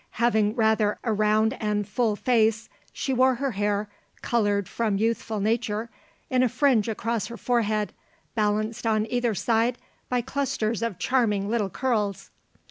Having rather a round and full face, she wore her hair (coloured from youthful nature) in a fringe across her forehead, balanced on either side by clusters of charming little curls.